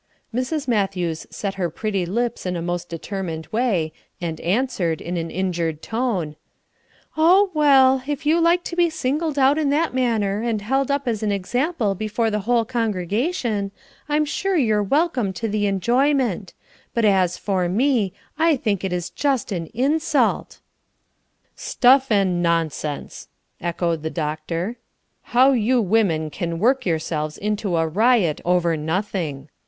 Mrs. Matthews set her pretty lips in a most determined way, and answered, in an injured tone: "Oh, well, if you like to be singled out in that manner, and held up as an example before the whole congregation, I'm sure you're welcome to the enjoyment; but as for me, I think it is just an insult." "Stuff and nonsense!" echoed the doctor. "How you women can work yourselves into a riot over nothing.